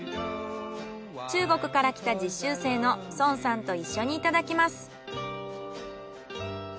中国から来た実習生のソンさんと一緒にいただきます。